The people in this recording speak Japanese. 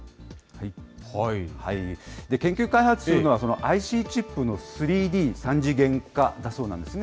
研究開発というのはＩＣチップの３Ｄ・３次元化だそうなんですね。